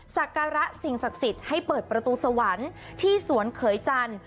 สักการะสิ่งศักดิ์สิทธิ์ให้เปิดประตูสวรรค์ที่สวนเขยจันทร์